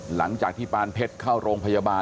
หลังจากที่ปานเพชรเข้าโรงพยาบาล